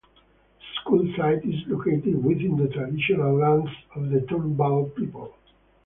The school site is located within the traditional lands of the Turrbal people.